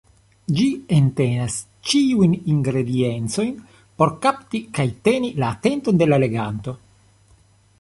Ĝi entenas ĉiujn ingrediencojn por kapti kaj teni la atenton de la leganto.